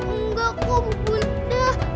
enggak kok bunda